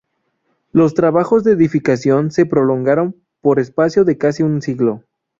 Los trabajos de edificación se prolongaron por espacio de casi un siglo.